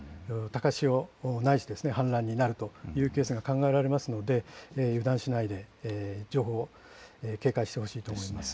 高潮、ないし氾濫になるというケースが考えられるので油断しないで、警戒してほしいと思います。